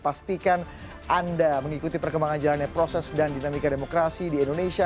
pastikan anda mengikuti perkembangan jalannya proses dan dinamika demokrasi di indonesia